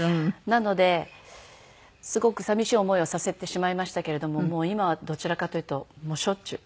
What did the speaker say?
なのですごく寂しい思いをさせてしまいましたけれども今はどちらかというともうしょっちゅう。